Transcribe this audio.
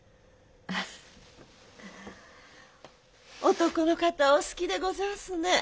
男の方はお好きでござんすねえ。